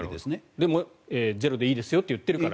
でもゼロでいいと言っているから。